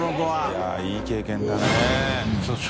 い笋いい経験だね。